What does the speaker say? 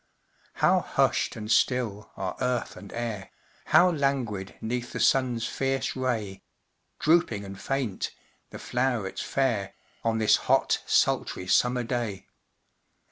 How hushed and still are earth and air, How languid 'neath the sun's fierce ray Drooping and faint the flowrets fair, On this hot, sultry, summer day!